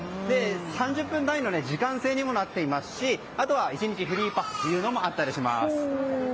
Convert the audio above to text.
３０分単位の時間制にもなっていますしあとは１日フリーパスというのもあったりします。